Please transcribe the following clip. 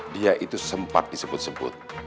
dia itu sempat disebut sebut